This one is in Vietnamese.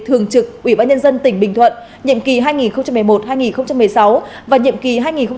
thường trực ủy ban nhân dân tỉnh bình thuận nhiệm kỳ hai nghìn một mươi một hai nghìn một mươi sáu và nhiệm kỳ hai nghìn một mươi sáu hai nghìn hai mươi